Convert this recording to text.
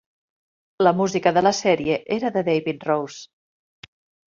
La música de la sèrie era de David Rose.